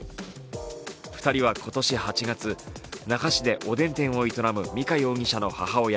２人は今年８月、那覇市でおでん店を営む美香容疑者の母親